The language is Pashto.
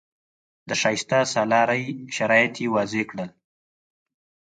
د شایسته سالارۍ شرایط یې وضع کړل.